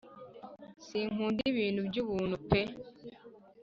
Sinkunda ibintu byubunu pe